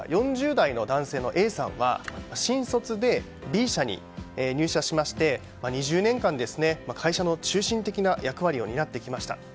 ４０代の男性のＡさんは新卒でＢ社に入社しまして２０年間、会社の中心的な役割を担ってきました。